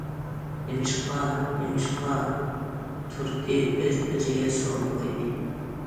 نېمىشقا؟ نېمىشقا؟ تۇردى ئۆز- ئۆزىگە سوئال قويدى.